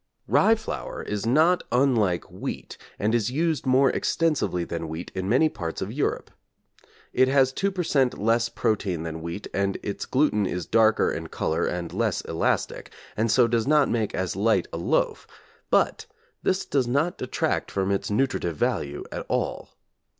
Rye flour is not unlike wheat, and is used more extensively than wheat in many parts of Europe. It has 2 per cent. less protein than wheat and its gluten is darker in colour and less elastic and so does not make as light a loaf; but this does not detract from its nutritive value at all.